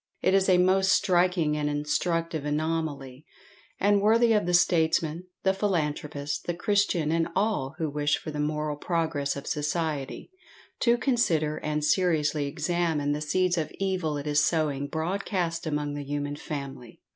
It is a most striking and instructive anomaly, and worthy of the statesman, the philanthropist, the Christian, and all who wish for the moral progress of society, to consider and seriously examine the seeds of evil it is sowing broadcast among the human family.